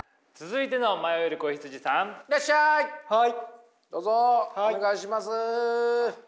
はい。